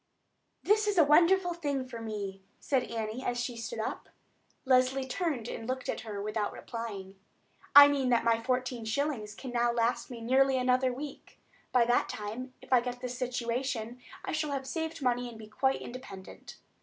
"This is a wonderful thing for me," said Annie as she stood up. Leslie turned and looked at her without replying. "I mean that my fourteen shillings can now last me nearly another week. By that time, if I get this situation, I shall have saved money and be quite independent.